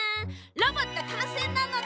ロボットかんせいなのだ。